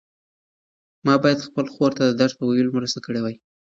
ما باید خپلې خور ته د درس په ویلو کې مرسته کړې وای.